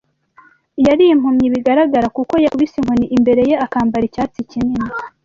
Yari impumyi bigaragara, kuko yakubise inkoni imbere ye akambara icyatsi kinini